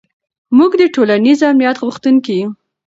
موږ د ټولنیز امنیت غوښتونکي یو.